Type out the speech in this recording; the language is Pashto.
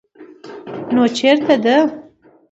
_نو چېرته ده؟